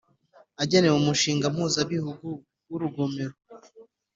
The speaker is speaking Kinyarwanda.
Agenewe umushinga mpuzabihugu w urugomero